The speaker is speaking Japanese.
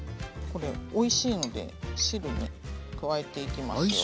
これおいしいので汁ね加えていきますよ。